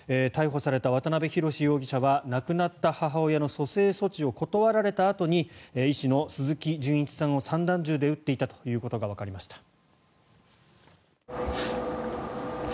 逮捕された渡辺宏容疑者は亡くなった母親の蘇生措置を断られたあとに医師の鈴木純一さんを散弾銃で撃っていたということがわかりました。